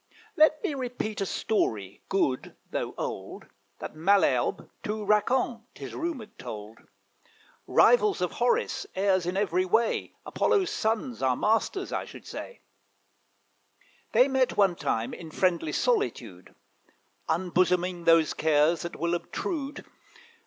Let me repeat a story, good, though old, That Malherbe to Racan, 'tis rumoured, told; Rivals of Horace, heirs in every way, Apollo's sons, our masters, I should say: They met one time in friendly solitude, Unbosoming those cares that will obtrude.